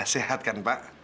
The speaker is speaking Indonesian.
sehat kan pak